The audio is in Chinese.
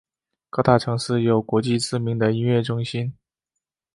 各大城市有国际知名的音乐中心。